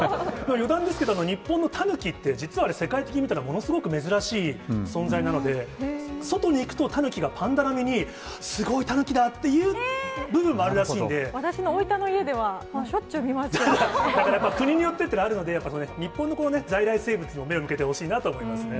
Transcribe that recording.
余談ですけれども、日本のタヌキって、実は世界的に見たらものすごく珍しい存在なので、外に行くと、タヌキがパンダ並みに、すごい、タヌキだっていう部私の大分の家では、しょっち国によってっていうのがあるので、日本の在来生物にも目を向けてほしいなと思いますね。